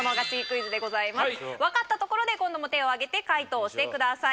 分かったところで手を挙げて解答してください。